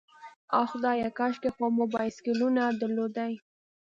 آه خدایه، کاشکې خو مو بایسکلونه درلودای.